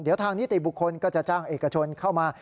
เดี๋ยวทางนิติบุคคลก็จะจ้างเอกชนเข้ามา